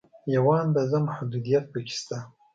یوه اندازه محدودیت په کې شته.